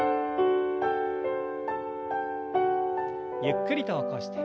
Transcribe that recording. ゆっくりと起こして。